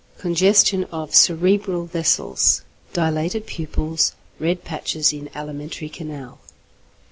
_ Congestion of cerebral vessels, dilated pupils, red patches in alimentary canal.